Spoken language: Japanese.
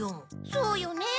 そうよね。